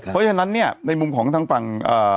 เพราะฉะนั้นเนี่ยในมุมของทางฝั่ง